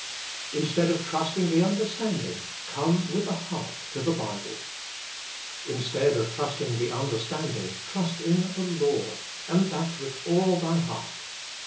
Instead of trusting the understanding, come with the heart to the Bible. Instead of trust ing the understanding, trust in the Lord, and that with all thy heart.